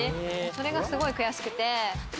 それがすごい悔しくて。